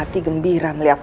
adi mem traveler akhir